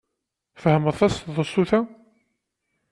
Tfehmeḍ taseḍsut-a?